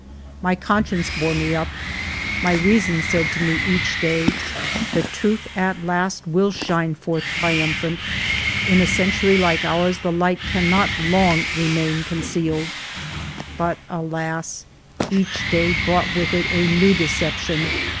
My conscience bore me up ; my reason said to me each day :" The truth at last will shine forth triumphant ; in a century like ours the light can not long remain concealed." But, alas ! each day brought with it a new deception.